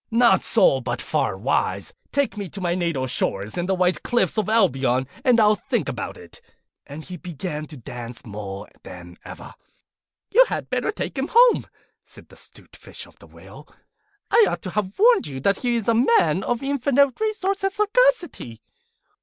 'Not so, but far otherwise. Take me to my natal shore and the white cliffs of Albion, and I'll think about it.' And he began to dance more than ever. 'You had better take him home,' said the 'Stute Fish to the Whale. 'I ought to have warned you that he is a man of infinite resource and sagacity.